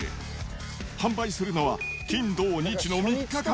販売するのは、金土日の３日間。